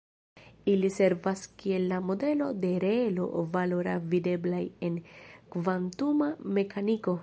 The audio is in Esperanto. Ili servas kiel la modelo de reelo-valora videblaj en kvantuma mekaniko.